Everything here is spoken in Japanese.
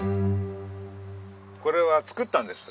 これは作ったんです。